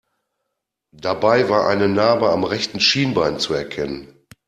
Dabei war eine Narbe am rechten Schienbein zu erkennen.